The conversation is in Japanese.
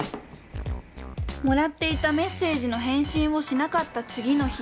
もらっていたメッセージの返信をしなかった次の日。